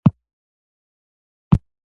د لعل انګور د خوړلو لپاره غوره دي.